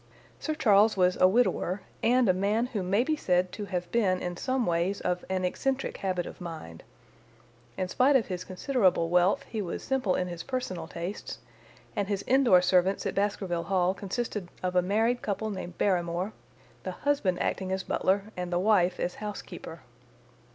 Sir Charles was a widower, and a man who may be said to have been in some ways of an eccentric habit of mind. In spite of his considerable wealth he was simple in his personal tastes, and his indoor servants at Baskerville Hall consisted of a married couple named Barrymore, the husband acting as butler and the wife as housekeeper.